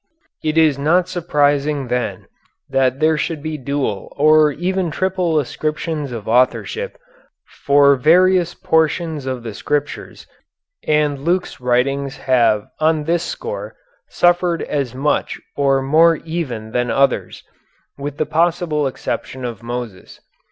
It is not surprising, then, that there should be dual or even triple ascriptions of authorship for various portions of the Scriptures, and Luke's writings have on this score suffered as much or more even than others, with the possible exception of Moses.